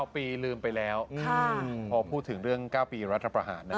๙ปีลืมไปแล้วพอพูดถึงเรื่อง๙ปีดนภ